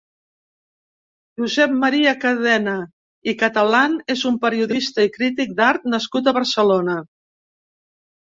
Josep Maria Cadena i Catalán és un periodista i crític d'art nascut a Barcelona.